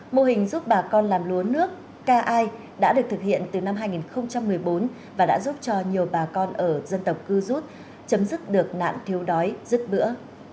mô hình giúp bà con làm lúa nước ca ai đã được thực hiện từ năm hai nghìn một mươi bốn và đã giúp cho nhiều bà con ở dân tộc cư rút chấm dứt được nạn thiếu đói rứt bữa